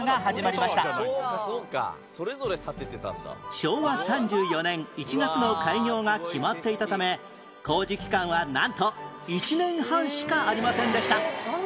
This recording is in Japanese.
昭和３４年１月の開業が決まっていたため工事期間はなんと１年半しかありませんでした